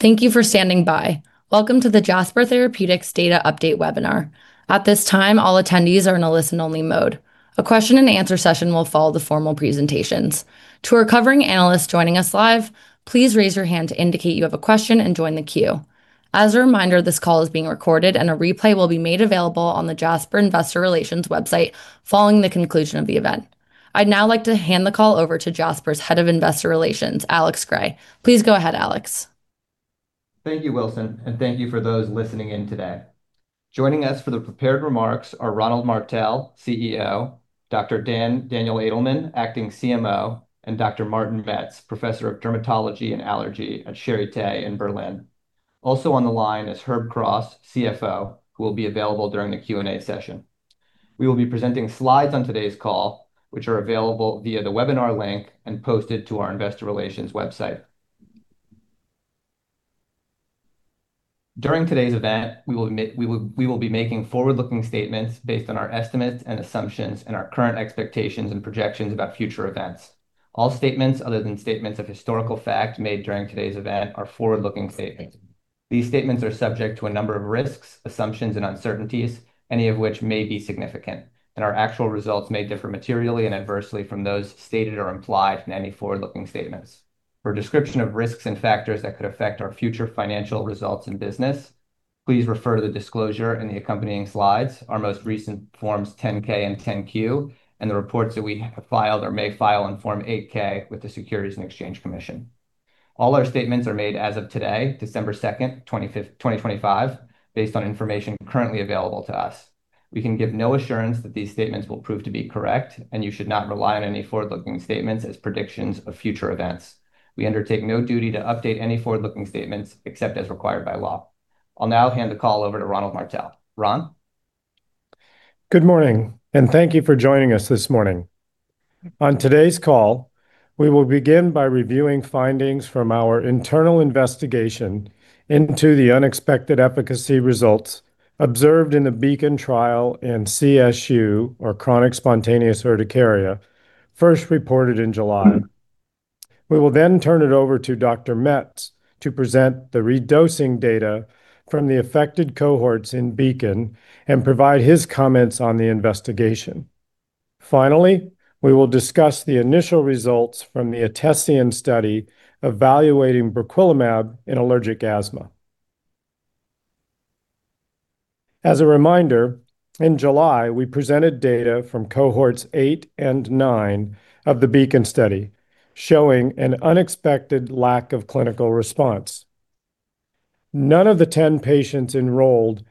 Thank you for standing by. Welcome to the Jasper Therapeutics Data Update Webinar. At this time, all attendees are in a listen-only mode. A question-and-answer session will follow the formal presentations. To our covering analysts joining us live, please raise your hand to indicate you have a question and join the queue. As a reminder, this call is being recorded, and a replay will be made available on the Jasper Investor Relations website following the conclusion of the event. I'd now like to hand the call over to Jasper's Head of Investor Relations, Alex Gray. Please go ahead, Alex. Thank you, Wilson, and thank you for those listening in today. Joining us for the prepared remarks are Ronald Martell, CEO; Dr. Daniel Adelman, Acting CMO; and Dr. Martin Metz, Professor of Dermatology and Allergy at Charité in Berlin. Also on the line is Herb Cross, CFO, who will be available during the Q&A session. We will be presenting slides on today's call, which are available via the webinar link and posted to our Investor Relations website. During today's event, we will be making forward-looking statements based on our estimates and assumptions and our current expectations and projections about future events. All statements other than statements of historical fact made during today's event are forward-looking statements. These statements are subject to a number of risks, assumptions, and uncertainties, any of which may be significant, and our actual results may differ materially and adversely from those stated or implied in any forward-looking statements. For a description of risks and factors that could affect our future financial results and business, please refer to the disclosure and the accompanying slides. Our most recent Forms 10-K and 10-Q, and the reports that we have filed or may file in Form 8-K with the Securities and Exchange Commission. All our statements are made as of today, December 2, 2025, based on information currently available to us. We can give no assurance that these statements will prove to be correct, and you should not rely on any forward-looking statements as predictions of future events. We undertake no duty to update any forward-looking statements except as required by law. I'll now hand the call over to Ronald Martell. Ron? Good morning, and thank you for joining us this morning. On today's call, we will begin by reviewing findings from our internal investigation into the unexpected efficacy results observed in the BEACON trial in CSU, or chronic spontaneous urticaria, first reported in July. We will then turn it over to Dr. Metz to present the redosing data from the affected cohorts in BEACON and provide his comments on the investigation. Finally, we will discuss the initial results from the ETESIAN study evaluating briquilimab in allergic asthma. As a reminder, in July, we presented data from cohorts 8 and 9 of the BEACON study showing an unexpected lack of clinical response. None of the 10 patients enrolled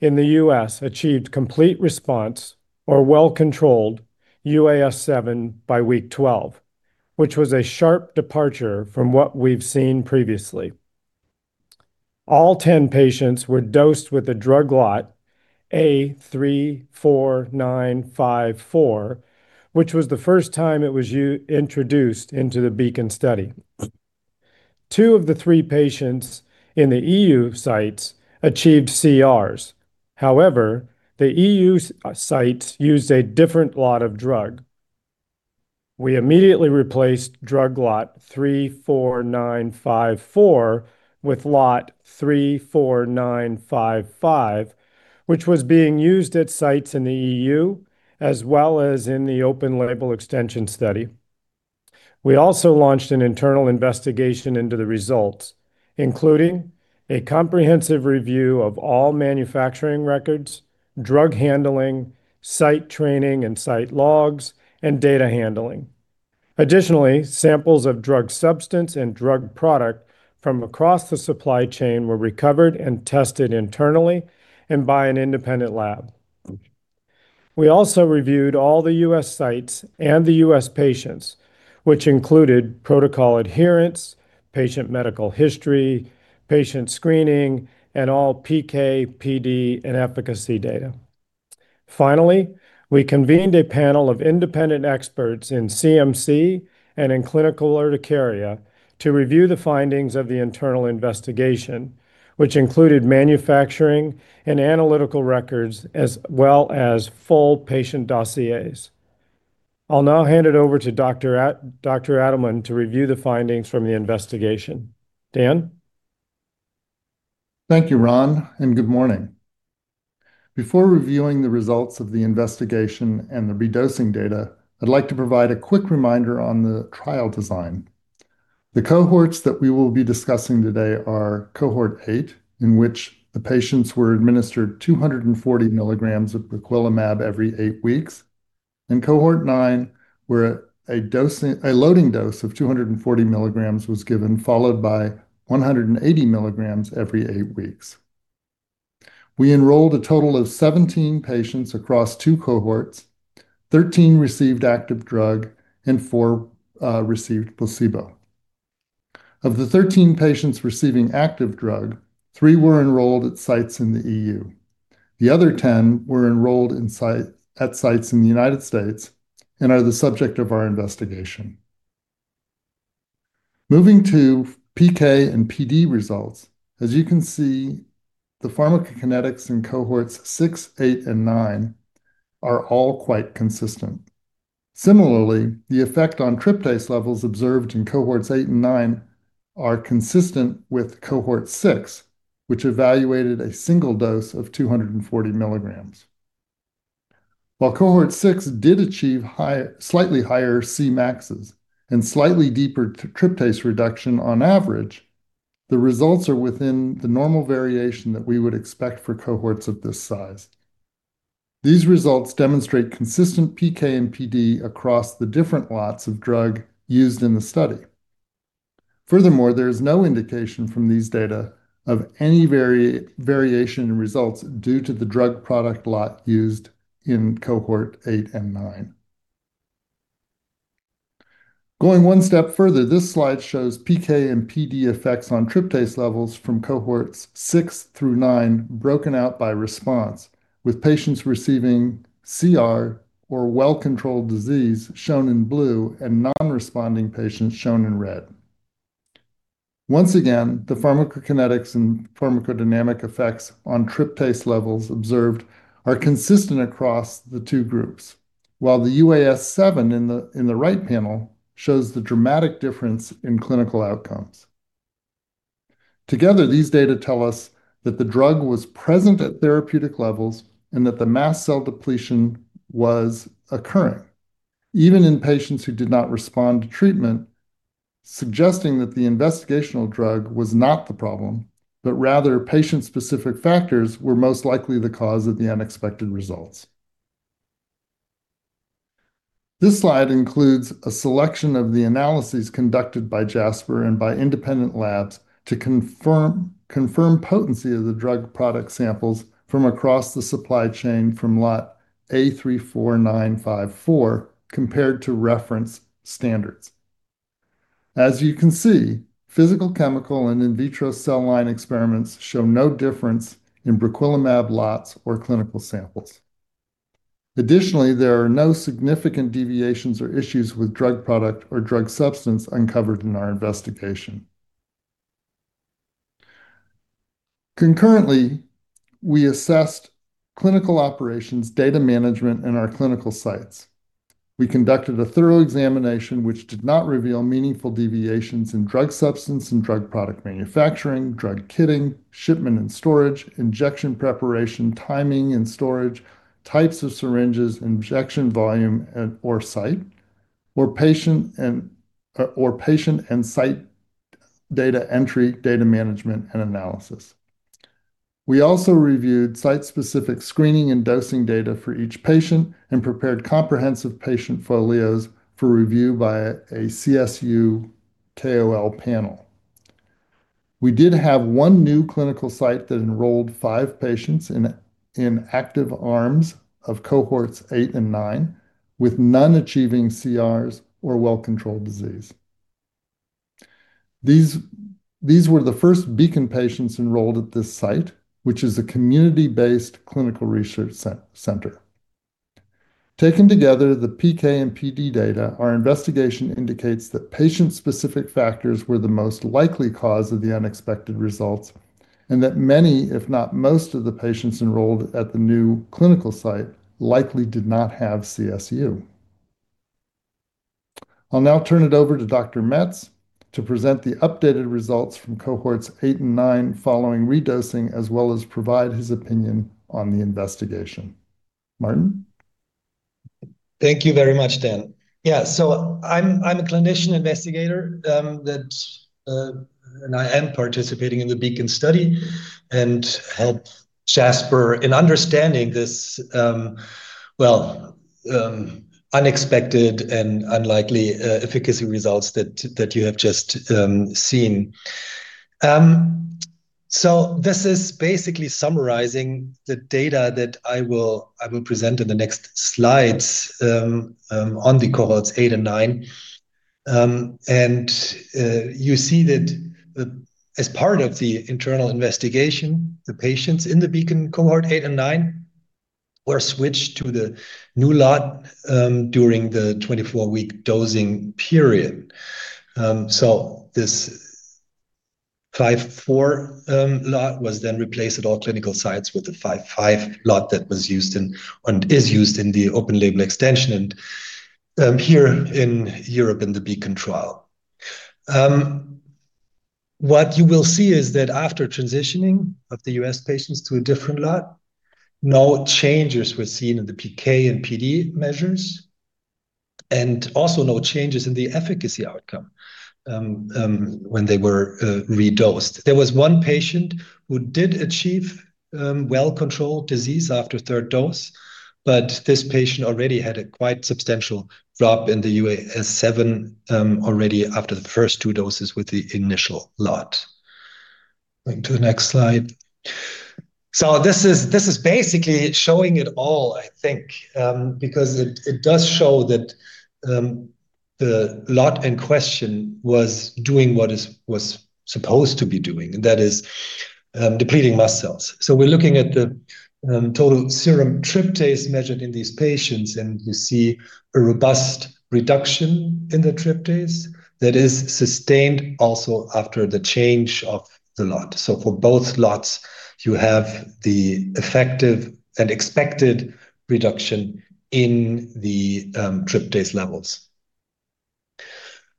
in the U.S. achieved complete response or well-controlled UAS7 by week 12, which was a sharp departure from what we've seen previously. All 10 patients were dosed Lot A34954, which was the first time it was introduced into the BEACON study. Two of the three patients in the EU sites achieved CRs. However, the EU sites used a different lot of drug. We immediately replaced drug Lot 34954 with Lot 34955, which was being used at sites in the EU as well as in the open-label extension study. We also launched an internal investigation into the results, including a comprehensive review of all manufacturing records, drug handling, site training and site logs, and data handling. Additionally, samples of drug substance and drug product from across the supply chain were recovered and tested internally and by an independent lab. We also reviewed all the U.S. sites and the U.S. patients, which included protocol adherence, patient medical history, patient screening, and all PK, PD, and efficacy data. Finally, we convened a panel of independent experts in CMC and in clinical urticaria to review the findings of the internal investigation, which included manufacturing and analytical records as well as full patient dossiers. I'll now hand it over to Dr. Adelman to review the findings from the investigation. Dan? Thank you, Ron, and good morning. Before reviewing the results of the investigation and the redosing data, I'd like to provide a quick reminder on the trial design. The cohorts that we will be Cohort 8, in which the patients were administered 240 mg of briquilimab Cohort 9, where a loading dose of 240 mg was given, followed by 180 mg every eight weeks. We enrolled a total of 17 patients across two cohorts. Thirteen received active drug, and four received placebo. Of the 13 patients receiving active drug, three were enrolled at sites in the European Union. The other 10 were enrolled at sites in the United States and are the subject of our investigation. Moving to PK and PD results, as you can see, the pharmacokinetics in cohorts 6, 8, and 9 are all quite consistent. Similarly, the effect on tryptase levels observed in cohorts 8 and 9 are consistent Cohort 6, which evaluated a single dose of 240 mg. Cohort 6 did achieve slightly higher Cmax's and slightly deeper tryptase reduction on average, the results are within the normal variation that we would expect for cohorts of this size. These results demonstrate consistent PK and PD across the different lots of drug used in the study. Furthermore, there is no indication from these data of any variation in results due to the drug product Cohort 8 and 9. going one step further, this slide shows PK and PD effects on tryptase levels from cohorts 6 through 9, broken out by response, with patients receiving CR or well-controlled disease shown in blue and non-responding patients shown in red. Once again, the pharmacokinetics and pharmacodynamic effects on tryptase levels observed are consistent across the two groups, while the UAS7 in the right panel shows the dramatic difference in clinical outcomes. Together, these data tell us that the drug was present at therapeutic levels and that the mast cell depletion was occurring, even in patients who did not respond to treatment, suggesting that the investigational drug was not the problem, but rather patient-specific factors were most likely the cause of the unexpected results. This slide includes a selection of the analyses conducted by Jasper and by independent labs to confirm potency of the drug product samples from across the Lot A34954 compared to reference standards. As you can see, physical, chemical, and in vitro cell line experiments show no difference in briquilimab lots or clinical samples. Additionally, there are no significant deviations or issues with drug product or drug substance uncovered in our investigation. Concurrently, we assessed clinical operations, data management, and our clinical sites. We conducted a thorough examination which did not reveal meaningful deviations in drug substance and drug product manufacturing, drug kitting, shipment and storage, injection preparation, timing and storage, types of syringes, injection volume or site, or patient and site data entry, data management, and analysis. We also reviewed site-specific screening and dosing data for each patient and prepared comprehensive patient folios for review by a CSU KOL panel. We did have one new clinical site that enrolled five patients in active arms of cohorts 8 and 9, with none achieving CRs or well-controlled disease. These were the first BEACON patients enrolled at this site, which is a community-based clinical research center. Taken together, the PK and PD data, our investigation indicates that patient-specific factors were the most likely cause of the unexpected results and that many, if not most, of the patients enrolled at the new clinical site likely did not have CSU. I'll now turn it over to Dr. Metz to present the updated results from cohorts 8 and 9 following redosing, as well as provide his opinion on the investigation. Martin? Thank you very much, Dan. Yeah, so I'm a clinician investigator, and I am participating in the BEACON study and help Jasper in understanding this, well, unexpected and unlikely efficacy results that you have just seen. This is basically summarizing the data that I will present in the next slides on the cohorts 8 and 9. You see that as part of the internal investigation, the patients Cohort 8 and 9 were switched to the new lot during the 24-week dosing period. This 5/4 lot was then replaced at all clinical sites with the 5/5 lot that was used and is used in the open-label extension here in Europe in the BEACON trial. What you will see is that after transitioning of the U.S. patients to a different lot, no changes were seen in the PK and PD measures, and also no changes in the efficacy outcome when they were redosed. There was one patient who did achieve well-controlled disease after third dose, but this patient already had a quite substantial drop in the UAS7 already after the first two doses with the initial lot. Going to the next slide. This is basically showing it all, I think, because it does show that the lot in question was doing what it was supposed to be doing, and that is depleting mast cell. We are looking at the total serum tryptase measured in these patients, and you see a robust reduction in the tryptase that is sustained also after the change of the lot. For both lots, you have the effective and expected reduction in the tryptase levels.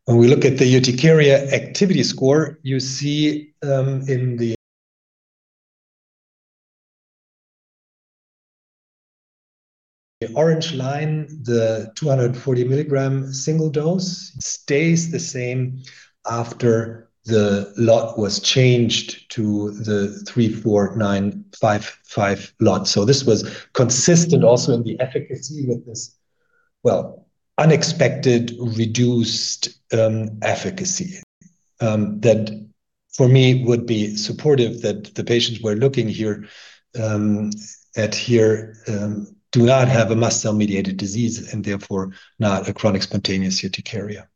When we look at the urticaria activity score, you see in the orange line, the 240 mg single dose stays the same after the lot was changed to the 34955 lot. This was consistent also in the efficacy with this, unexpected reduced efficacy that, for me, would be supportive that the patients we're looking at here do not have a mast cell-mediated disease and therefore not a chronic spontaneous urticaria.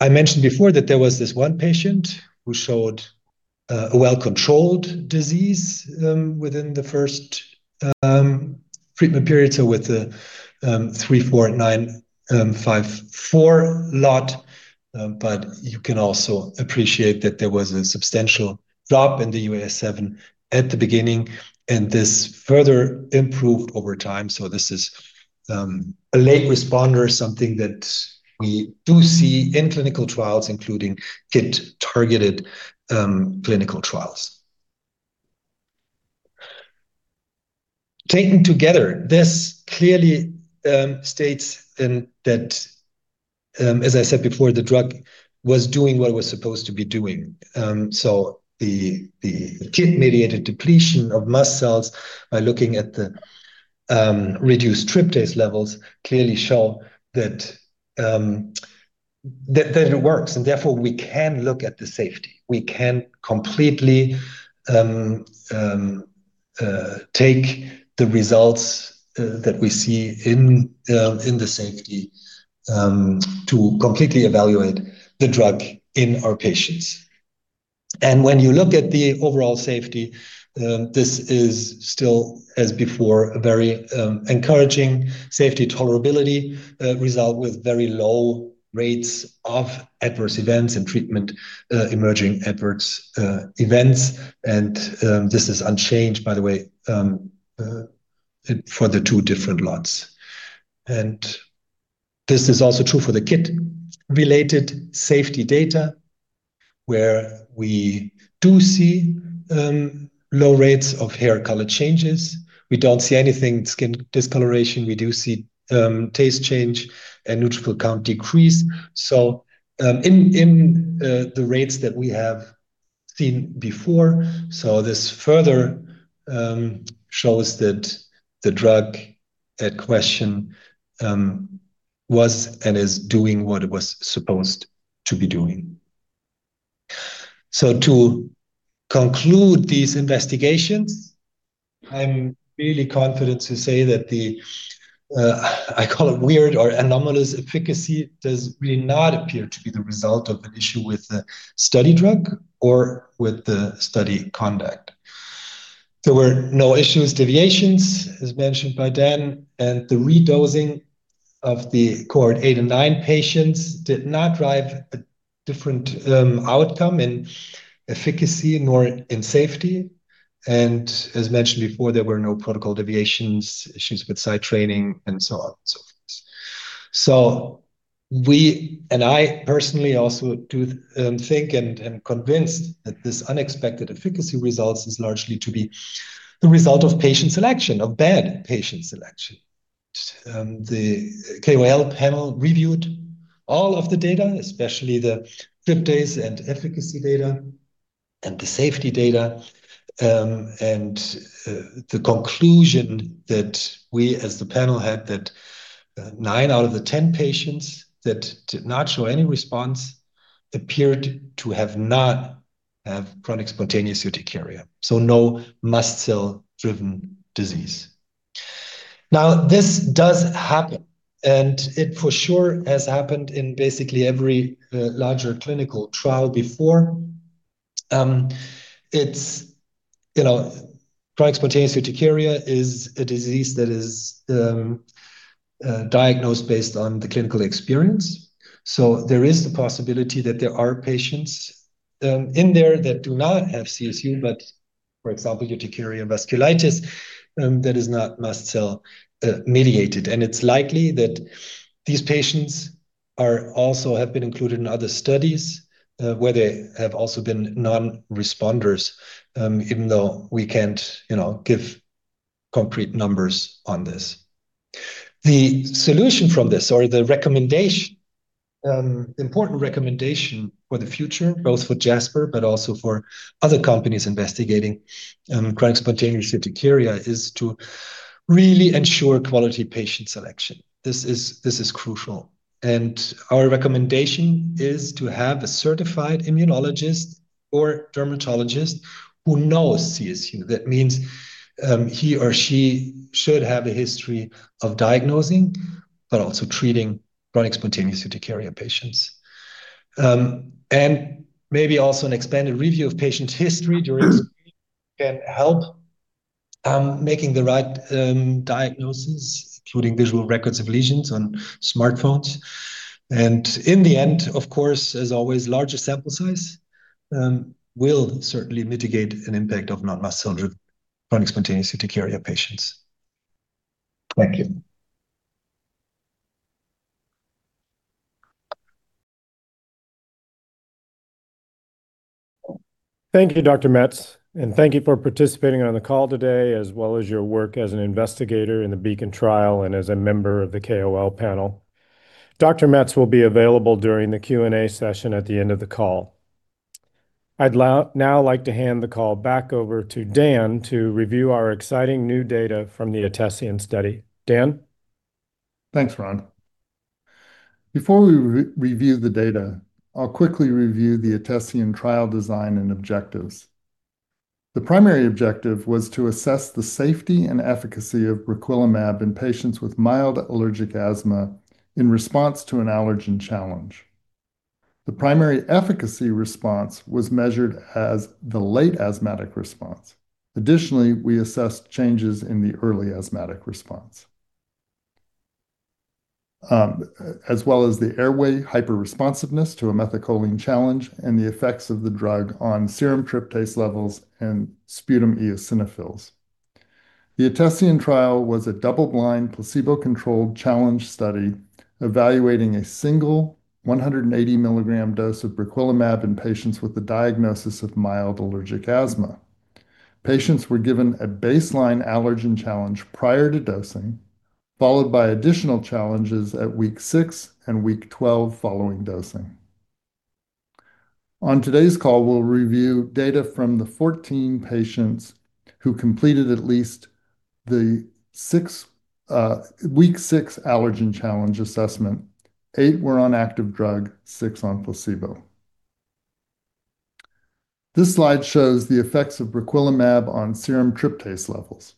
I mentioned before that there was this one patient who showed a well-controlled disease within the first treatment period, with the 34954 lot, but you can also appreciate that there was a substantial drop in the UAS7 at the beginning, and this further improved over time. This is a late responder, something that we do see in clinical trials, including targeted clinical trials. Taken together, this clearly states that, as I said before, the drug was doing what it was supposed to be doing. The c-Kit-mediated depletion of mast cell by looking at the reduced tryptase levels clearly shows that it works, and therefore we can look at the safety. We can completely take the results that we see in the safety to completely evaluate the drug in our patients. When you look at the overall safety, this is still, as before, a very encouraging safety tolerability result with very low rates of adverse events and treatment-emerging adverse events. This is unchanged, by the way, for the two different lots. This is also true for the c-Kit-related safety data, where we do see low rates of hair color changes. We do not see any skin discoloration. We do see taste change and neutrophil count decrease. In the rates that we have seen before, this further shows that the drug at question was and is doing what it was supposed to be doing. To conclude these investigations, I'm really confident to say that the, I call it weird or anOmalous efficacy, does not appear to be the result of an issue with the study drug or with the study conduct. There were no issues with deviations, as mentioned by Dan, and the Cohort 8 and 9 patients did not drive a different outcome in efficacy nor in safety. As mentioned before, there were no protocol deviations, issues with site training, and so on and so forth. We and I personally also do think and am convinced that this unexpected efficacy result is largely to be the result of patient selection, of bad patient selection. The KOL panel reviewed all of the data, especially the tryptase and efficacy data and the safety data, and the conclusion that we as the panel had was that 9 out of the 10 patients that did not show any response appeared to not have chronic spontaneous urticaria, so no mast cell-driven disease. This does happen, and it for sure has happened in basically every larger clinical trial before. Chronic spontaneous urticaria is a disease that is diagnosed based on the clinical experience. There is the possibility that there are patients in there that do not have CSU, but, for example, urticaria vasculitis that is not mast cell-mediated. It is likely that these patients also have been included in other studies, where they have also been non-responders, even though we cannot give concrete numbers on this. The solution from this, or the recommendation, important recommendation for the future, both for Jasper but also for other companies investigating chronic spontaneous urticaria, is to really ensure quality patient selection. This is crucial. Our recommendation is to have a certified immunologist or dermatologist who knows CSU. That means he or she should have a history of diagnosing, but also treating chronic spontaneous urticaria patients. Maybe also an expanded review of patient history during screening can help making the right diagnosis, including visual records of lesions on smartphones. In the end, of course, as always, larger sample size will certainly mitigate an impact of non-mast cell-driven chronic spontaneous urticaria patients. Thank you. Thank you, Dr. Metz, and thank you for participating on the call today, as well as your work as an investigator in the BEACON trial and as a member of the KOL panel. Dr. Metz will be available during the Q&A session at the end of the call. I'd now like to hand the call back over to Dan to review our exciting new data from the ETESIAN study. Dan. Thanks, Ron. Before we review the data, I'll quickly review the ETESIAN trial design and objectives. The primary objective was to assess the safety and efficacy of briquilimab in patients with mild allergic asthma in response to an allergen challenge. The primary efficacy response was measured as the late asthmatic response. Additionally, we assessed changes in the early asthmatic response, as well as the airway hyperresponsiveness to a methacholine challenge and the effects of the drug on serum tryptase levels and sputum eosinophils. The ETESIAN trial was a double-blind placebo-controlled challenge study evaluating a single 180 mg dose of briquilimab in patients with a diagnosis of mild allergic asthma. Patients were given a baseline allergen challenge prior to dosing, followed by additional challenges at week 6 and week 12 following dosing. On today's call, we'll review data from the 14 patients who completed at least the week 6 allergen challenge assessment. Eight were on active drug, six on placebo. This slide shows the effects of briquilimab on serum tryptase levels.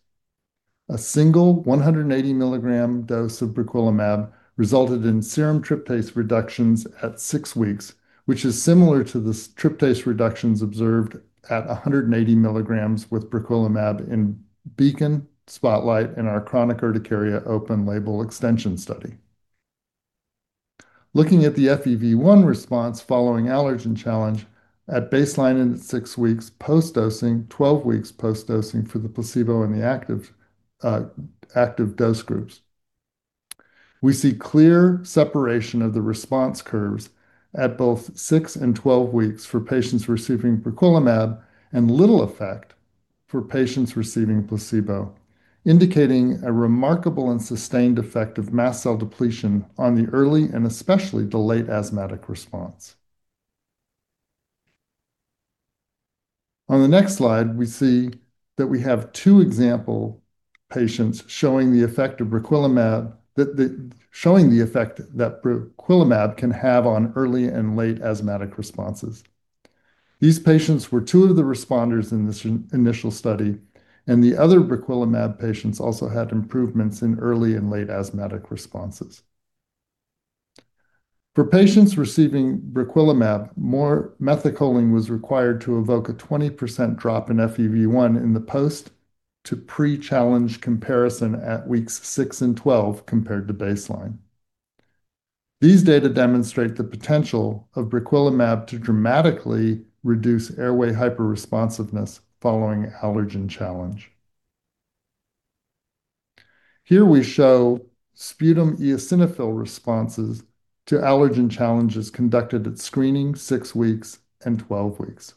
A single 180 mg dose of briquilimab resulted in serum tryptase reductions at six weeks, which is similar to the tryptase reductions observed at 180 mg with briquilimab in BEACON, SPOTLIGHT in our chronic urticaria open-label extension study. Looking at the FEV1 response following allergen challenge at baseline and six weeks post-dosing, 12 weeks post-dosing for the placebo and the active dose groups, we see clear separation of the response curves at both 6 and 12 weeks for patients receiving briquilimab and little effect for patients receiving placebo, indicating a remarkable and sustained effect of mast cell depletion on the early and especially the late asthmatic response. On the next slide, we see that we have two example patients showing the effect of briquilimab, showing the effect that briquilimab can have on early and late asthmatic responses. These patients were two of the responders in this initial study, and the other briquilimab patients also had improvements in early and late asthmatic responses. For patients receiving briquilimab, more methacholine was required to evoke a 20% drop in FEV1 in the post to pre-challenge comparison at weeks 6 and 12 compared to baseline. These data demonstrate the potential of briquilimab to dramatically reduce airway hyperresponsiveness following allergen challenge. Here we show sputum eosinophil responses to allergen challenges conducted at screening, six weeks, and 12 weeks.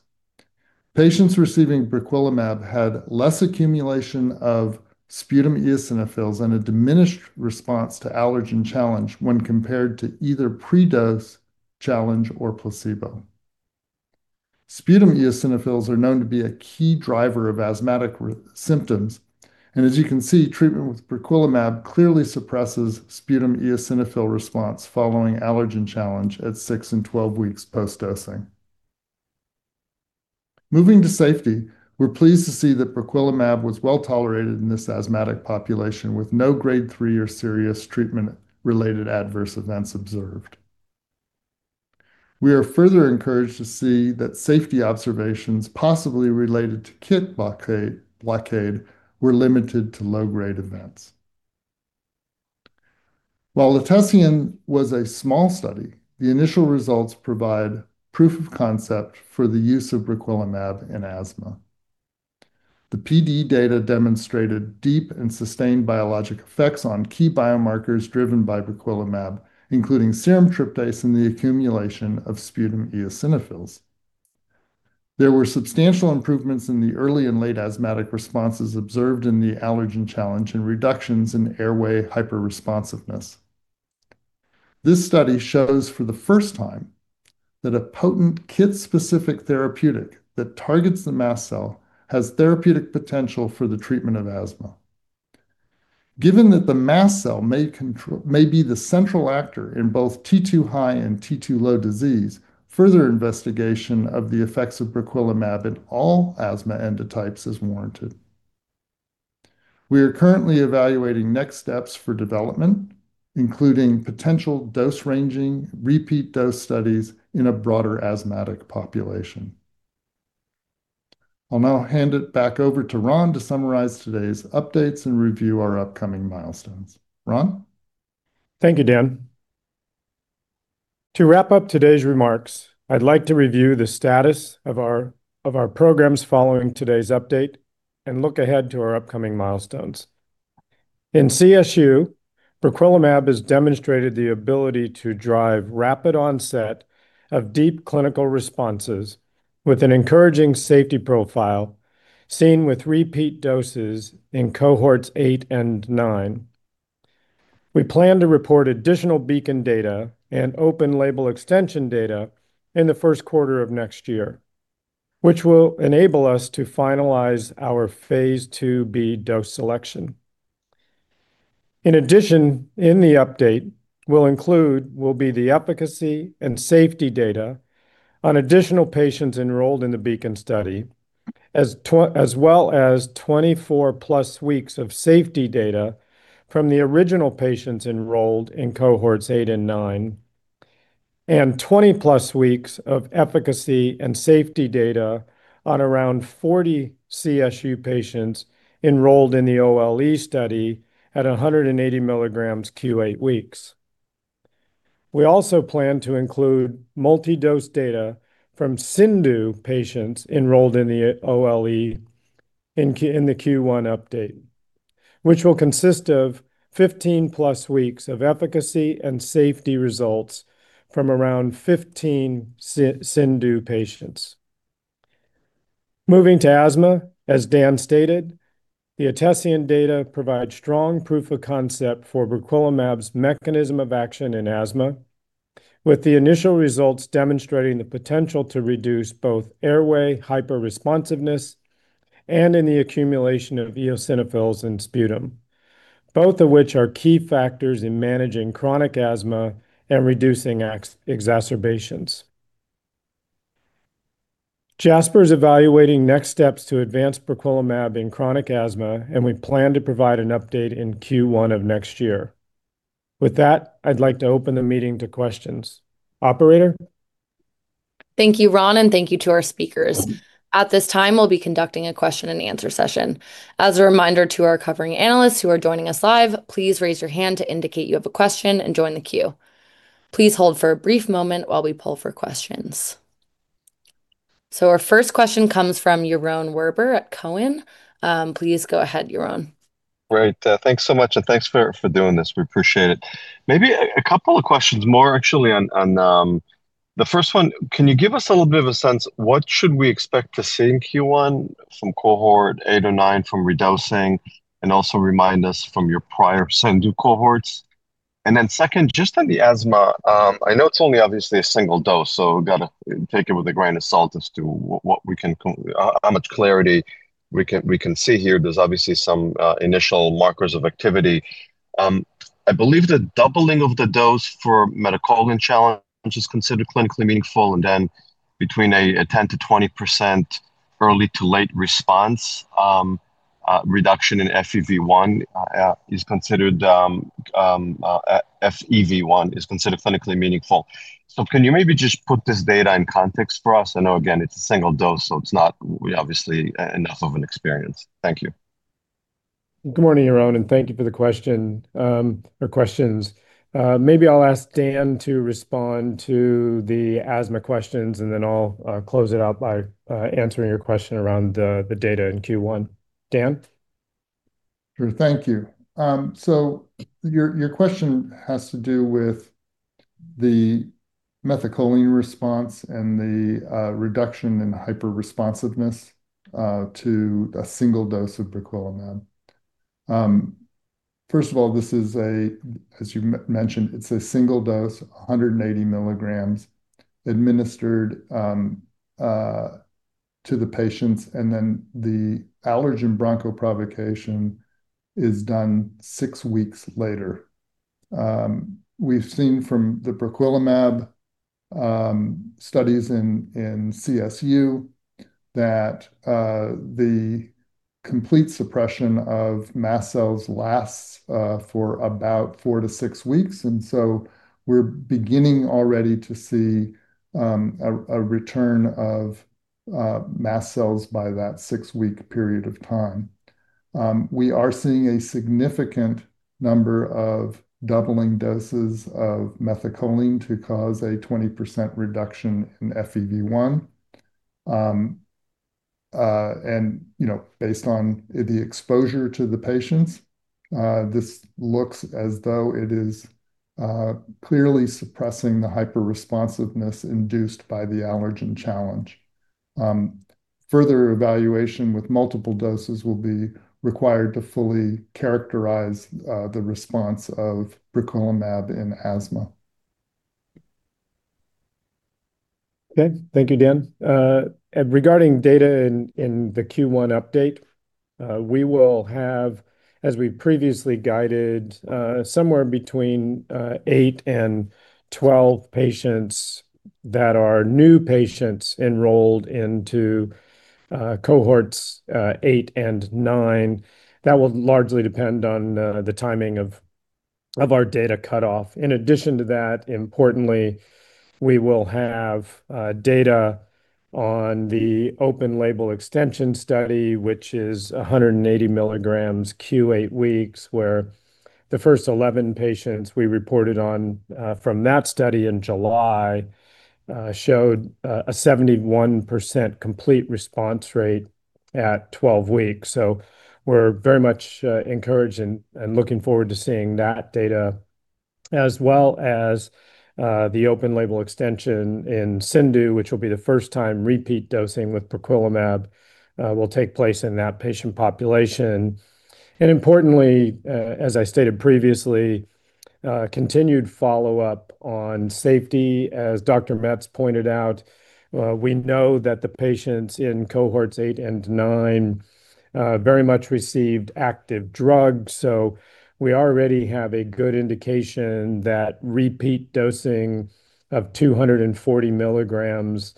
Patients receiving briquilimab had less accumulation of sputum eosinophils and a diminished response to allergen challenge when compared to either pre-dose challenge or placebo. Sputum eosinophils are known to be a key driver of asthmatic symptoms, and as you can see, treatment with briquilimab clearly suppresses sputum eosinophil response following allergen challenge at 6 and 12 weeks post-dosing. Moving to safety, we're pleased to see that briquilimab was well tolerated in this asthmatic population, with no grade 3 or serious treatment-related adverse events observed. We are further encouraged to see that safety observations possibly related to c-Kit blockade were limited to low-grade events. While ETESIAN was a small study, the initial results provide proof of concept for the use of briquilimab in asthma. The PD data demonstrated deep and sustained biologic effects on key biomarkers driven by briquilimab, including serum tryptase and the accumulation of sputum eosinophils. There were substantial improvements in the early and late asthmatic responses observed in the allergen challenge and reductions in airway hyperresponsiveness. This study shows for the first time that a potent c-Kit-specific therapeutic that targets the mast cell has therapeutic potential for the treatment of asthma. Given that the mast cell may be the central actor in both T2 high and T2 low disease, further investigation of the effects of briquilimab in all asthma endotypes is warranted. We are currently evaluating next steps for development, including potential dose-ranging repeat dose studies in a broader asthmatic population. I'll now hand it back over to Ron to summarize today's updates and review our upcoming milestones. Ron? Thank you, Dan. To wrap up today's remarks, I'd like to review the status of our programs following today's update and look ahead to our upcoming milestones. In CSU, briquilimab has demonstrated the ability to drive rapid onset of deep clinical responses with an encouraging safety profile seen with repeat doses in cohorts 8 and 9. We plan to report additional BEACON data and open-label extension data in the first quarter of next year, which will enable us to finalize our phase IIb dose selection. In addition, in the update, we'll include the efficacy and safety data on additional patients enrolled in the BEACON study, as well as 24+ weeks of safety data from the original patients enrolled in cohorts 8 and 9, and 20+ weeks of efficacy and safety data on around 40 CSU patients enrolled in the OLE study at 180 mg Q8 weeks. We also plan to include multi-dose data from CIndU patients enrolled in the OLE in the Q1 update, which will consist of 15+ weeks of efficacy and safety results from around 15 CIndU patients. Moving to asthma, as Dan stated, the ETESIAN data provides strong proof of concept for briquilimab's mechanism of action in asthma, with the initial results demonstrating the potential to reduce both airway hyperresponsiveness and the accumulation of eosinophils in sputum, both of which are key factors in managing chronic asthma and reducing exacerbations. Jasper is evaluating next steps to advance briquilimab in chronic asthma, and we plan to provide an update in Q1 of next year. With that, I'd like to open the meeting to questions. Operator? Thank you, Ron, and thank you to our speakers. At this time, we'll be conducting a question-and-answer session. As a reminder to our covering analysts who are joining us live, please raise your hand to indicate you have a question and join the queue. Please hold for a brief moment while we pull for questions. Our first question comes from Yaron Werber at TD Cowen. Please go ahead, Yaron. Great. Thanks so much, and thanks for doing this. We appreciate it. Maybe a couple of questions more, actually, on the first one. Can you give us a little bit of a sense? What should we expect to see Cohort 8 or 9 from redosing and also remind us from your prior CIndU cohorts? Second, just on the asthma, I know it's only obviously a single dose, so we've got to take it with a grain of salt as to what we can, how much clarity we can see here. There's obviously some initial markers of activity. I believe the doubling of the dose for methacholine challenge is considered clinically meaningful, and then between a 10%-20% early to late response reduction in FEV1 is considered clinically meaningful. Can you maybe just put this data in context for us? I know, again, it's a single dose, so it's not obviously enough of an experience. Thank you. Good morning, Yaron, and thank you for the question or questions. Maybe I'll ask Dan to respond to the asthma questions, and then I'll close it out by answering your question around the data in Q1. Dan? Sure. Thank you. Your question has to do with the methacholine response and the reduction in hyperresponsiveness to a single dose of briquilimab. First of all, this is a, as you mentioned, it's a single dose, 180 mg administered to the patients, and then the allergen bronchoprovocation is done six weeks later. We've seen from the briquilimab studies in CSU that the complete suppression of mast cell lasts for about four to six weeks, and we are beginning already to see a return of mast cell by that six-week period of time. We are seeing a significant number of doubling doses of methacholine to cause a 20% reduction in FEV1. Based on the exposure to the patients, this looks as though it is clearly suppressing the hyperresponsiveness induced by the allergen challenge. Further evaluation with multiple doses will be required to fully characterize the response of briquilimab in asthma. Okay. Thank you, Dan. Regarding data in the Q1 update, we will have, as we previously guided, somewhere between 8 and 12 patients that are new patients enrolled into cohorts 8 and 9. That will largely depend on the timing of our data cutoff. In addition to that, importantly, we will have data on the open-label extension study, which is 180 mg Q8 weeks, where the first 11 patients we reported on from that study in July showed a 71% complete response rate at 12 weeks. We are very much encouraged and looking forward to seeing that data, as well as the open-label extension in CIndU, which will be the first time repeat dosing with briquilimab will take place in that patient population. Importantly, as I stated previously, continued follow-up on safety. As Dr. Metz pointed out, we know that the patients in cohorts 8 and 9 very much received active drugs, so we already have a good indication that repeat dosing of 240 mg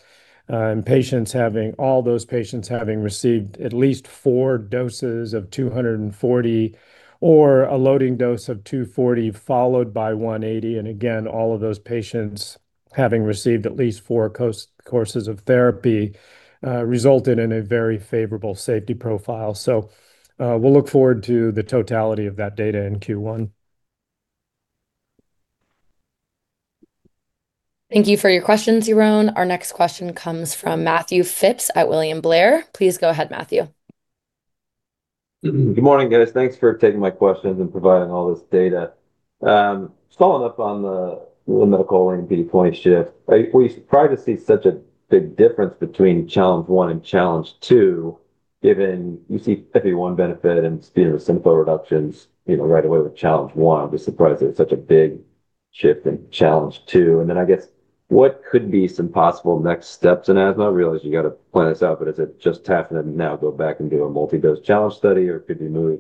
and patients having all those patients having received at least four doses of 240 or a loading dose of 240 followed by 180, and again, all of those patients having received at least four courses of therapy resulted in a very favorable safety profile. We will look forward to the totality of that data in Q1. Thank you for your questions, Yaron. Our next question comes from Matthew Phipps at William Blair. Please go ahead, Matthew. Good morning, guys. Thanks for taking my questions and providing all this data. Following up on the methacholine PD-20 shift, we're surprised to see such a big difference between challenge one and challenge two, given you see FEV1 benefit and sputum eosinophil reductions right away with challenge one. I'm just surprised there's such a big shift in challenge two. I guess, what could be some possible next steps in asthma? I realize you got to plan this out, but is it just tapping it and now go back and do a multi-dose challenge study, or could you move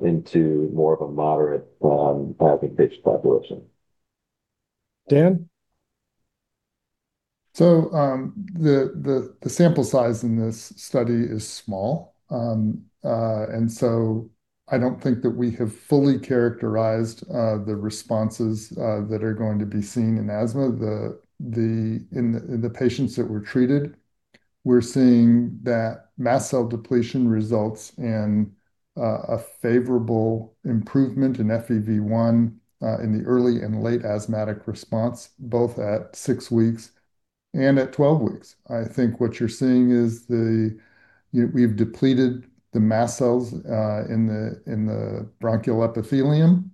into more of a moderate asthma patient population? The sample size in this study is small, and I do not think that we have fully characterized the responses that are going to be seen in asthma. In the patients that were treated, we are seeing that mast cell depletion results in a favorable improvement in FEV1 in the early and late asthmatic response, both at six weeks and at 12 weeks. I think what you are seeing is we have depleted the mast cell in the bronchial epithelium,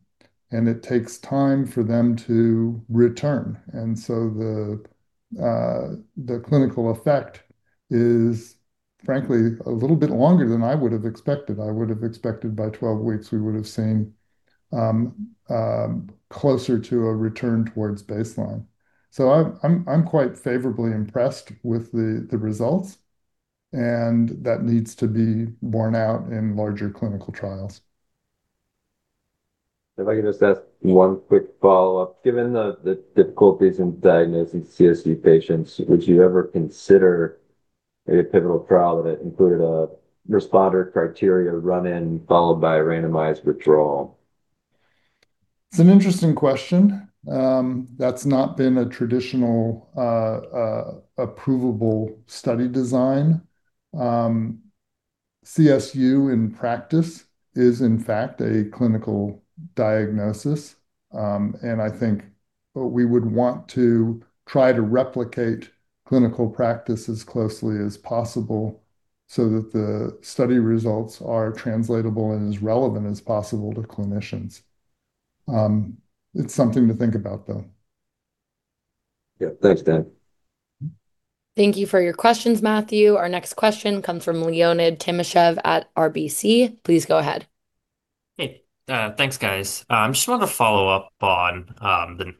and it takes time for them to return. The clinical effect is, frankly, a little bit longer than I would have expected. I would have expected by 12 weeks, we would have seen closer to a return towards baseline. I am quite favorably impressed with the results, and that needs to be borne out in larger clinical trials. If I can just ask one quick follow-up. Given the difficulties in diagnosing CSU patients, would you ever consider a pivotal trial that included a responder criteria run-in followed by a randomized withdrawal? It's an interesting question. That's not been a traditional approvable study design. CSU, in practice, is, in fact, a clinical diagnosis, and I think we would want to try to replicate clinical practice as closely as possible so that the study results are translatable and as relevant as possible to clinicians. It's something to think about, though. Yeah. Thanks, Dan. Thank you for your questions, Matthew. Our next question comes from Leonid Timashev at RBC. Please go ahead. Hey. Thanks, guys. I just want to follow up on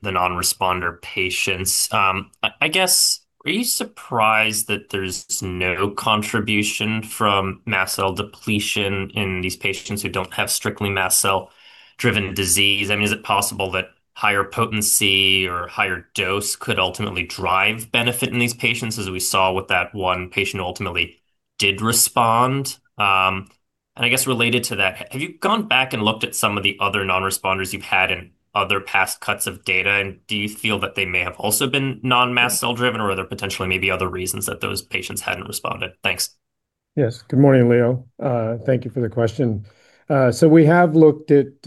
the non-responding patients. I guess, are you surprised that there's no contribution from mast cell depletion in these patients who don't have strictly mast cell-driven disease? I mean, is it possible that higher potency or higher dose could ultimately drive benefit in these patients, as we saw with that one patient who ultimately did respond? I guess, related to that, have you gone back and looked at some of the other non-responders you've had in other past cuts of data, and do you feel that they may have also been non-mast cell-driven, or are there potentially maybe other reasons that those patients hadn't responded? Thanks. Yes. Good morning, Leo. Thank you for the question. We have looked at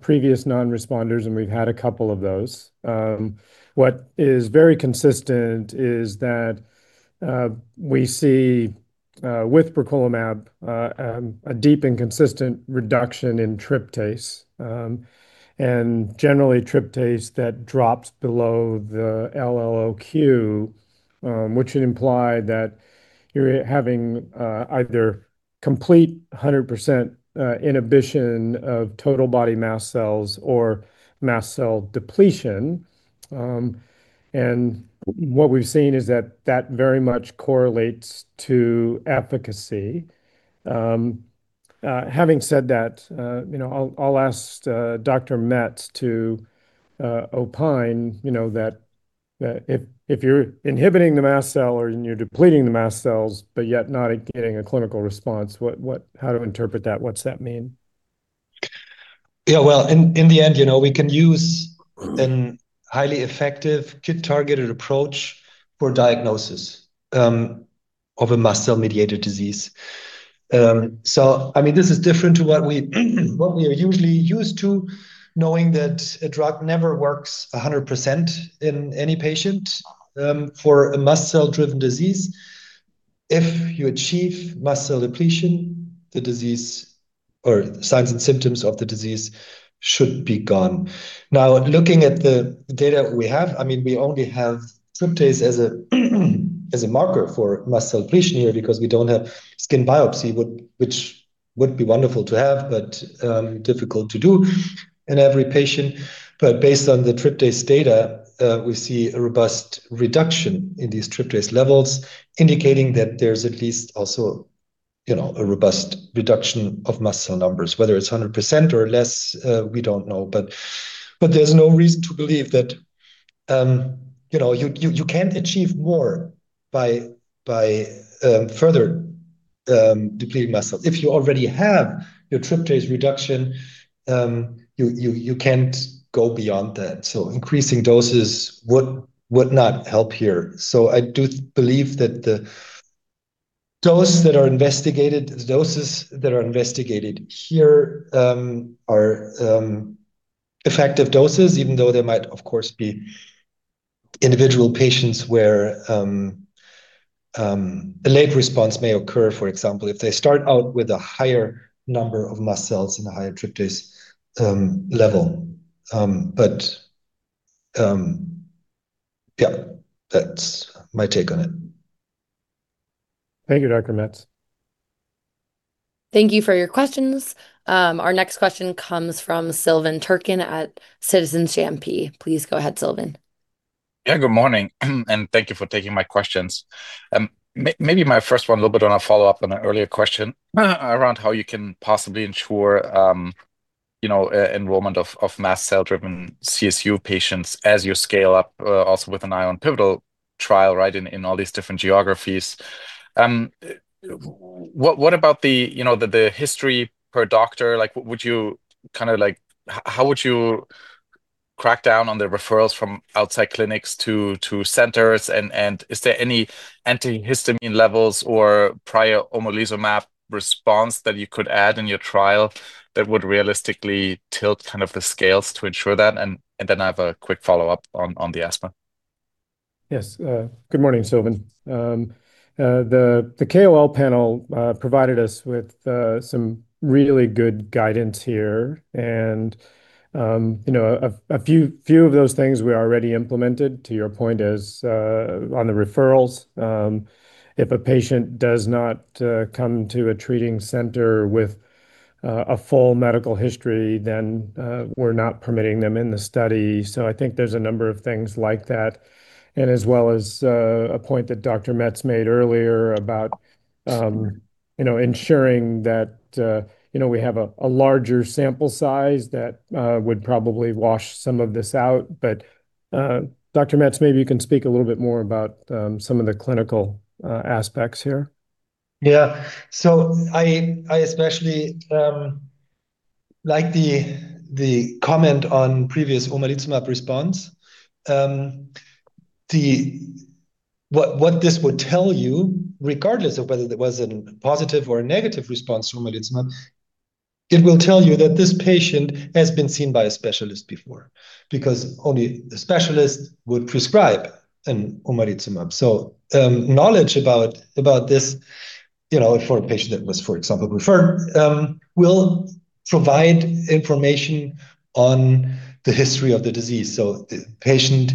previous non-responders, and we've had a couple of those. What is very consistent is that we see with briquilimab a deep and consistent reduction in tryptase and generally tryptase that drops below the LLOQ, which would imply that you're having either complete 100% inhibition of total body mast cell or mast cell depletion. What we've seen is that that very much correlates to efficacy. Having said that, I'll ask Dr. Metz to opine that if you're inhibiting the mast cell or you're depleting the mast cell but yet not getting a clinical response, how to interpret that? What's that mean? Yeah. In the end, we can use a highly effective targeted approach for diagnosis of a mast cell-mediated disease. I mean, this is different to what we are usually used to, knowing that a drug never works 100% in any patient. For a mast cell-driven disease, if you achieve mast cell depletion, the disease or signs and symptoms of the disease should be gone. Now, looking at the data we have, I mean, we only have tryptase as a marker for mast cell depletion here because we do not have skin biopsy, which would be wonderful to have, but difficult to do in every patient. Based on the tryptase data, we see a robust reduction in these tryptase levels, indicating that there is at least also a robust reduction of mast cell numbers. Whether it's 100% or less, we don't know, but there's no reason to believe that you can't achieve more by further depleting mast cell. If you already have your tryptase reduction, you can't go beyond that. Increasing doses would not help here. I do believe that the doses that are investigated, the doses that are investigated here are effective doses, even though there might, of course, be individual patients where a late response may occur, for example, if they start out with a higher number of mast cell and a higher tryptase level. Yeah, that's my take on it. Thank you, Dr. Metz. Thank you for your questions. Our next question comes from Silvan Tuerkcan at Citizens JMP. Please go ahead, Silvan. Yeah. Good morning, and thank you for taking my questions. Maybe my first one a little bit on a follow-up on an earlier question around how you can possibly ensure enrollment of mast cell-driven CSU patients as you scale up also with an eye on pivotal trial right in all these different geographies. What about the history per doctor? Would you kind of, how would you crack down on the referrals from outside clinics to centers? Is there any antihistamine levels or prior omalizumab response that you could add in your trial that would realistically tilt kind of the scales to ensure that? I have a quick follow-up on the asthma. Yes. Good morning, Silvan. The KOL panel provided us with some really good guidance here, and a few of those things we already implemented, to your point, as on the referrals. If a patient does not come to a treating center with a full medical history, then we're not permitting them in the study. I think there's a number of things like that, as well as a point that Dr. Metz made earlier about ensuring that we have a larger sample size that would probably wash some of this out. Dr. Metz, maybe you can speak a little bit more about some of the clinical aspects here. Yeah. I especially like the comment on previous omalizumab response. What this would tell you, regardless of whether there was a positive or a negative response to omalizumab, it will tell you that this patient has been seen by a specialist before because only a specialist would prescribe an omalizumab. Knowledge about this, for a patient that was, for example, referred, will provide information on the history of the disease. The patient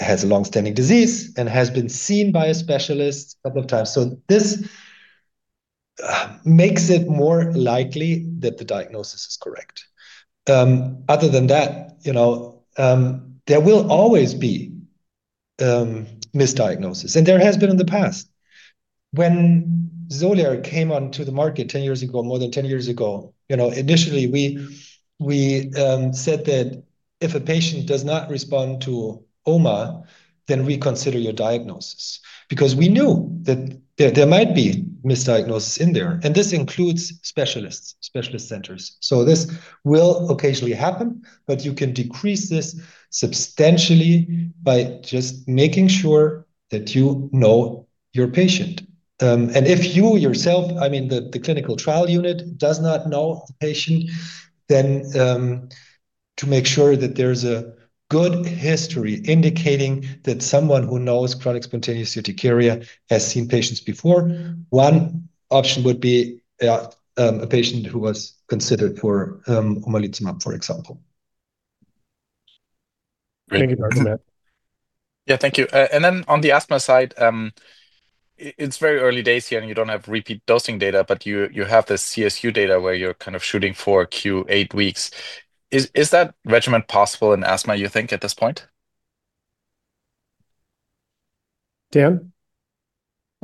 has a long-standing disease and has been seen by a specialist a couple of times. This makes it more likely that the diagnosis is correct. Other than that, there will always be misdiagnosis, and there has been in the past. When Xolair came onto the market 10 years ago, more than 10 years ago, initially, we said that if a patient does not respond to Oma, then we consider your diagnosis because we knew that there might be misdiagnosis in there. This includes specialists, specialist centers. This will occasionally happen, but you can decrease this substantially by just making sure that you know your patient. If you yourself, I mean, the clinical trial unit does not know the patient, then to make sure that there is a good history indicating that someone who knows chronic spontaneous urticaria has seen patients before, one option would be a patient who was considered for omalizumab, for example. Thank you, Dr. Metz. Yeah. Thank you. And then on the asthma side, it's very early days here, and you do not have repeat dosing data, but you have the CSU data where you're kind of shooting for Q8 weeks. Is that regimen possible in asthma, you think, at this point? Sure.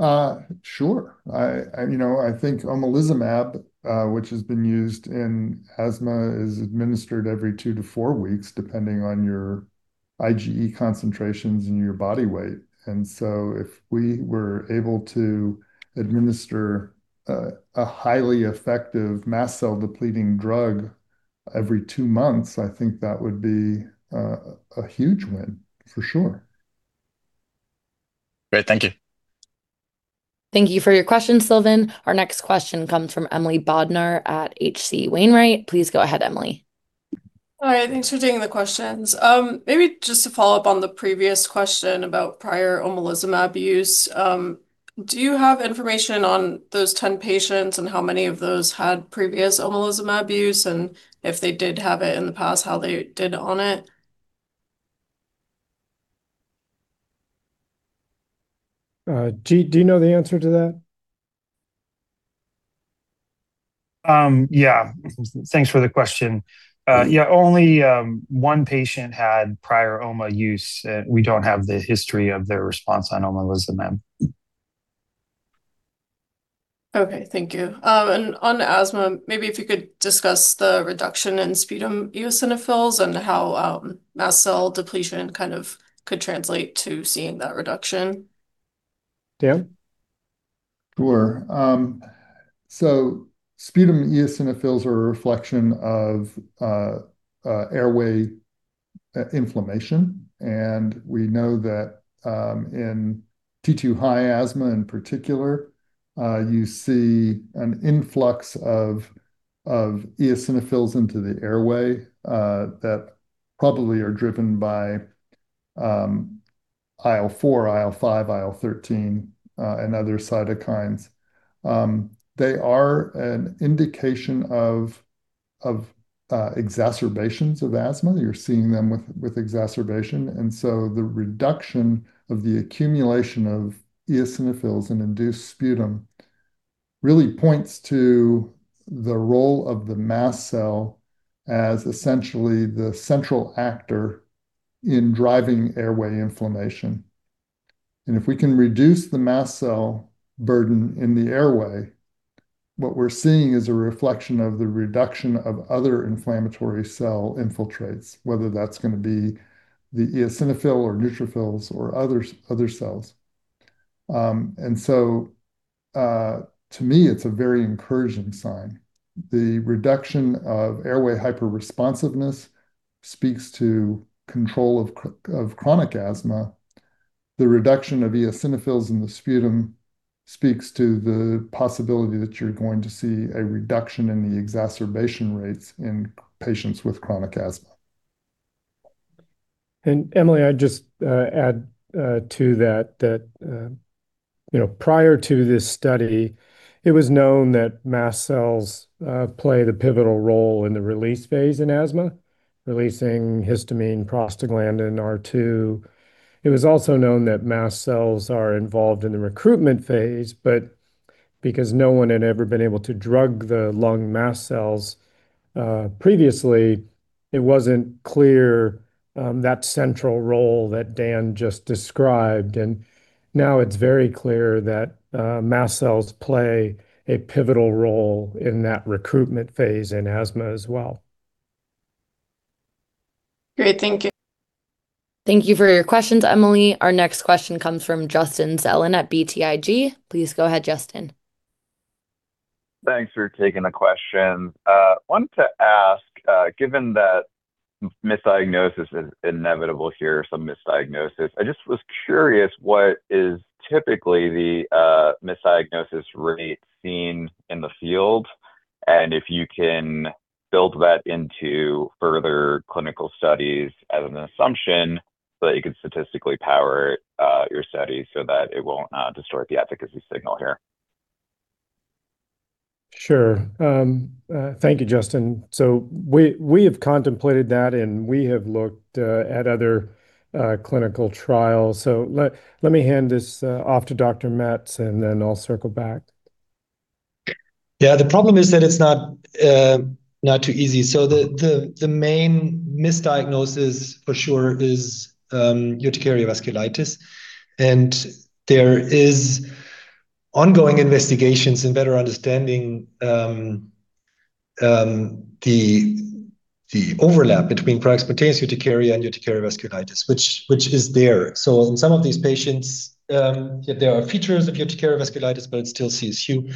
I think omalizumab, which has been used in asthma, is administered every two to four weeks, depending on your IgE concentrations and your body weight. If we were able to administer a highly effective mast cell-depleting drug every two months, I think that would be a huge win, for sure. Great. Thank you. Thank you for your question, Silvan. Our next question comes from Emily Bodnar at H.C. Wainwright. Please go ahead, Emily. All right. Thanks for taking the questions. Maybe just to follow up on the previous question about prior Xolair use, do you have information on those 10 patients and how many of those had previous Xolair use and if they did have it in the past, how they did on it? Do you know the answer to that? Yeah. Thanks for the question. Yeah. Only one patient had prior Oma use, and we do not have the history of their response on omalizumab. Okay. Thank you. On asthma, maybe if you could discuss the reduction in sputum eosinophils and how mast cell depletion kind of could translate to seeing that reduction. Dan? Sure. Sputum eosinophils are a reflection of airway inflammation, and we know that in T2 high asthma in particular, you see an influx of eosinophils into the airway that probably are driven by IL-4, IL-5, IL-13, and other cytokines. They are an indication of exacerbations of asthma. You're seeing them with exacerbation. The reduction of the accumulation of eosinophils in induced sputum really points to the role of the mast cell as essentially the central actor in driving airway inflammation. If we can reduce the mast cell burden in the airway, what we're seeing is a reflection of the reduction of other inflammatory cell infiltrates, whether that's going to be the eosinophil or neutrophils or other cells. To me, it's a very encouraging sign. The reduction of airway hyperresponsiveness speaks to control of chronic asthma. The reduction of eosinophils in the sputum speaks to the possibility that you're going to see a reduction in the exacerbation rates in patients with chronic asthma. Emily, I'd just add to that that prior to this study, it was known that mast cell plays the pivotal role in the release phase in asthma, releasing histamine, prostaglandin, and D2. It was also known that mast cell are involved in the recruitment phase, but because no one had ever been able to drug the lung mast cell previously, it wasn't clear that central role that Dan just described. Now it's very clear that mast cell plays a pivotal role in that recruitment phase in asthma as well. Great. Thank you. Thank you for your questions, Emily. Our next question comes from Justin Zelin at BTIG. Please go ahead, Justin. Thanks for taking the question. I wanted to ask, given that misdiagnosis is inevitable here, some misdiagnosis, I just was curious what is typically the misdiagnosis rate seen in the field and if you can build that into further clinical studies as an assumption so that you could statistically power your studies so that it won't distort the efficacy signal here. Sure. Thank you, Justin. We have contemplated that, and we have looked at other clinical trials. Let me hand this off to Dr. Metz, and then I'll circle back. Yeah. The problem is that it's not too easy. The main misdiagnosis for sure is urticaria vasculitis. There are ongoing investigations in better understanding the overlap between prior spontaneous urticaria and urticaria vasculitis, which is there. In some of these patients, there are features of urticaria vasculitis, but it's still CSU.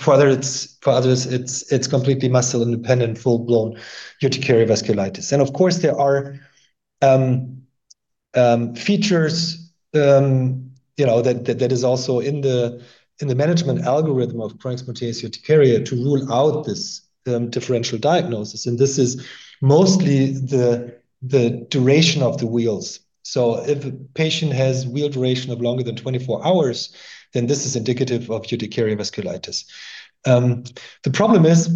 For others, it's completely mast cell-independent, full-blown urticaria vasculitis. There are features that are also in the management algorithm of chronic spontaneous urticaria to rule out this differential diagnosis. This is mostly the duration of the wheals. If a patient has wheal duration of longer than 24 hours, then this is indicative of urticaria vasculitis. The problem is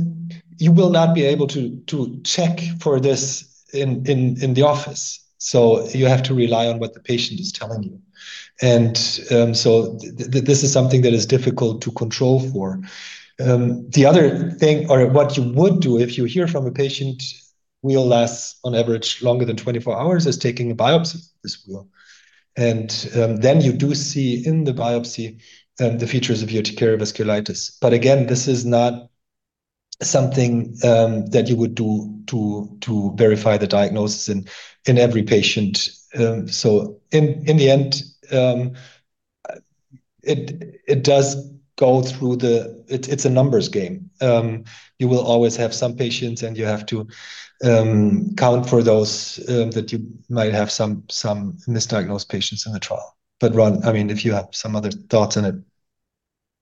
you will not be able to check for this in the office. You have to rely on what the patient is telling you. This is something that is difficult to control for. The other thing or what you would do if you hear from a patient wheal lasts on average longer than 24 hours is taking a biopsy of this wheal. Then you do see in the biopsy the features of urticaria vasculitis. Again, this is not something that you would do to verify the diagnosis in every patient. In the end, it does go through the it's a numbers game. You will always have some patients, and you have to count for those that you might have some misdiagnosed patients in the trial. Ron, I mean, if you have some other thoughts on it.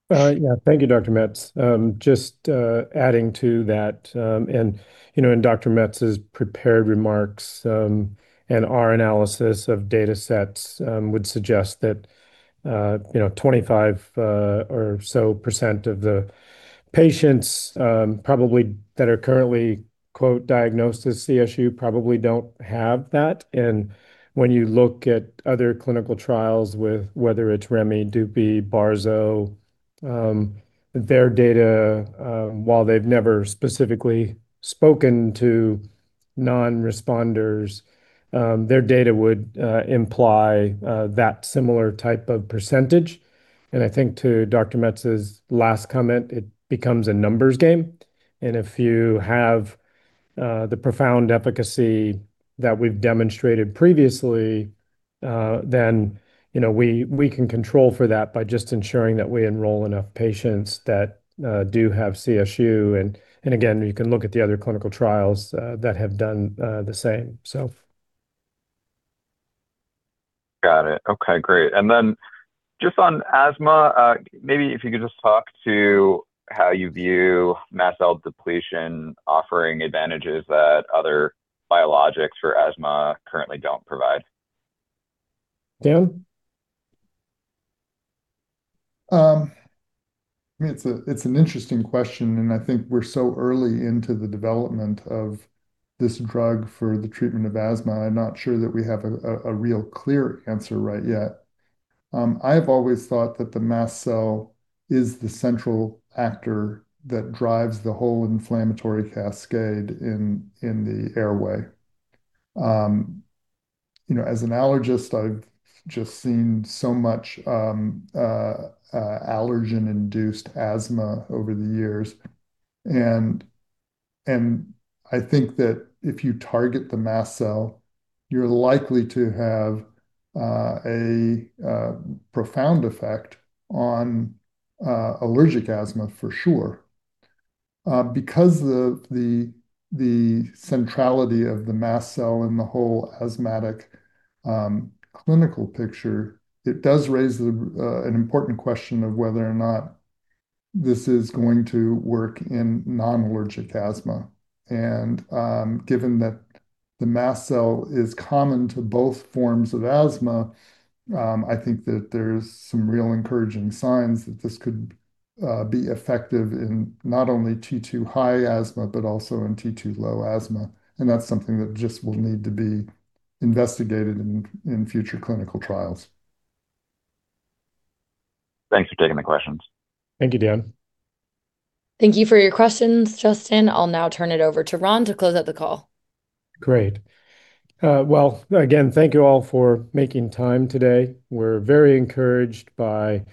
Yeah. Thank you, Dr. Metz. Just adding to that, and Dr. Metz's prepared remarks and our analysis of data sets would suggest that 25% or so of the patients probably that are currently "diagnosed" as CSU probably don't have that. When you look at other clinical trials with whether it's Remi, Dupi, Barzo, their data, while they've never specifically spoken to non-responders, their data would imply that similar type of percentage. I think to Dr. Metz's last comment, it becomes a numbers game. If you have the profound efficacy that we've demonstrated previously, then we can control for that by just ensuring that we enroll enough patients that do have CSU. Again, you can look at the other clinical trials that have done the same, so. Got it. Okay. Great. And then just on asthma, maybe if you could just talk to how you view mast cell depletion offering advantages that other biologics for asthma currently do not provide. Dan? I mean, it's an interesting question, and I think we're so early into the development of this drug for the treatment of asthma, I'm not sure that we have a real clear answer right yet. I have always thought that the mast cell is the central actor that drives the whole inflammatory cascade in the airway. As an allergist, I've just seen so much allergen-induced asthma over the years. I think that if you target the mast cell, you're likely to have a profound effect on allergic asthma for sure. Because of the centrality of the mast cell in the whole asthmatic clinical picture, it does raise an important question of whether or not this is going to work in non-allergic asthma. Given that the mast cell is common to both forms of asthma, I think that there's some real encouraging signs that this could be effective in not only T2 high asthma but also in T2 low asthma. That's something that just will need to be investigated in future clinical trials. Thanks for taking the questions. Thank you, Dan. Thank you for your questions, Justin. I'll now turn it over to Ron to close out the call. Great. Again, thank you all for making time today. We're very encouraged by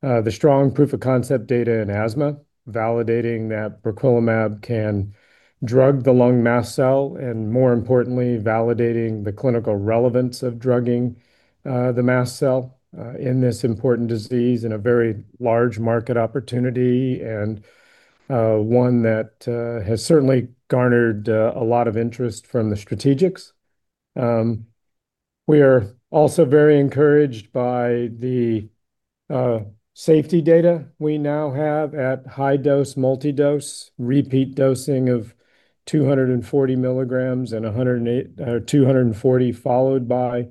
the strong proof of concept data in asthma, validating that briquilimab can drug the lung mast cell, and more importantly, validating the clinical relevance of drugging the mast cell in this important disease and a very large market opportunity and one that has certainly garnered a lot of interest from the strategics. We are also very encouraged by the safety data we now have at high dose, multi-dose, repeat dosing of 240 mg and 240 followed by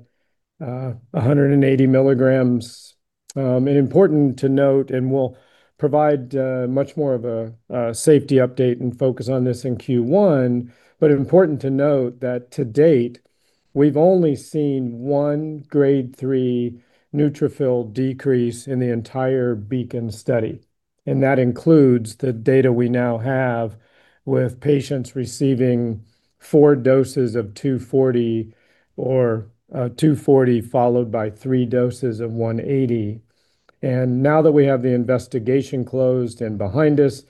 180 mg. Important to note, and we'll provide much more of a safety update and focus on this in Q1, but important to note that to date, we've only seen one grade 3 neutrophil decrease in the entire BEACON study. That includes the data we now have with patients receiving four doses of 240 or 240 followed by three doses of 180. Now that we have the investigation closed and behind us,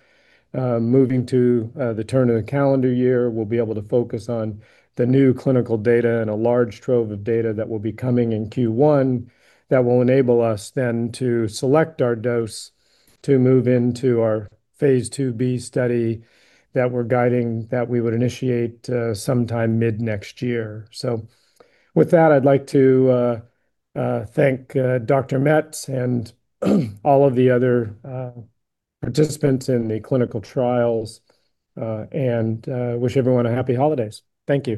moving to the turn of the calendar year, we will be able to focus on the new clinical data and a large trove of data that will be coming in Q1 that will enable us then to select our dose to move into our phase IIb study that we are guiding that we would initiate sometime mid-next year. With that, I would like to thank Dr. Metz and all of the other participants in the clinical trials and wish everyone a happy holidays. Thank you.